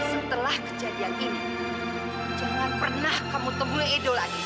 setelah kejadian ini jangan pernah kamu temui edo lagi